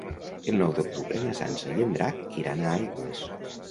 El nou d'octubre na Sança i en Drac iran a Aigües.